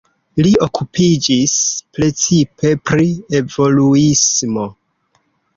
Li okupiĝis precipe pri evoluismo.